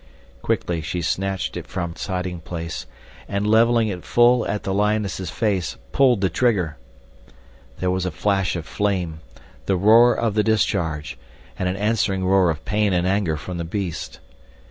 Quickly she snatched it from its hiding place, and, leveling it full at the lioness's face, pulled the trigger. There was a flash of flame, the roar of the discharge, and an answering roar of pain and anger from the beast.